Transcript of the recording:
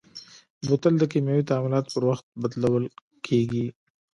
بوتل د کیمیاوي تعاملاتو پر وخت بدلول کېږي.